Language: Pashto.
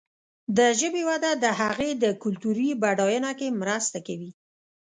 د ژبې وده د هغې د کلتوري بډاینه کې مرسته کوي.